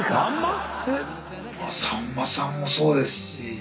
「さんまさんもそうですし。